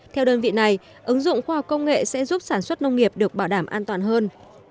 theo đơn vị này ứng dụng khoa học công nghệ sẽ giúp sản xuất nông nghiệp được bảo đảm an toàn hơn